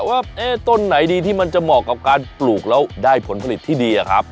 ว่าต้นไหนดีที่มันจะเหมาะกับการปลูกแล้วได้ผลผลิตที่ดีอะครับ